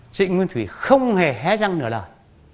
trịnh nguyên thủy không hề hé răng nửa lời